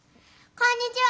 こんにちは。